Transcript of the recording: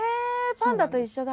パンダと一緒だ。